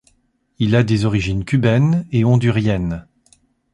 Il a des origines cubaines et honduriennes.